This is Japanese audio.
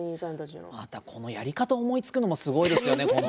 またこのやり方を思いつくのもすごいですよね。